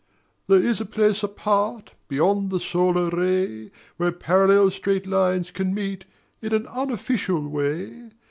There is a place apart Beyond the solar ray, Where parallel straight lines can meet in an unofficial way.